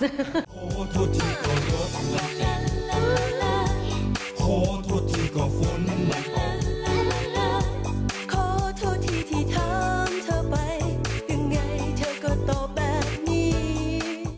๒สุดที่ที่ทำเธอไปยังไงเธอก็ต่อแบบนี้